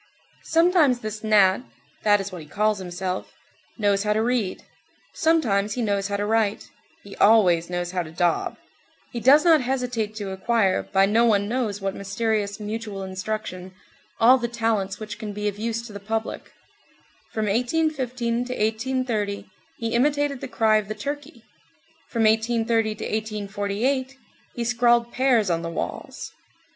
Sometimes this gnat—that is what he calls himself—knows how to read; sometimes he knows how to write; he always knows how to daub. He does not hesitate to acquire, by no one knows what mysterious mutual instruction, all the talents which can be of use to the public; from 1815 to 1830, he imitated the cry of the turkey; from 1830 to 1848, he scrawled pears on the walls.